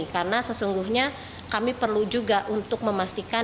karena sesungguhnya kami perlu juga untuk memastikan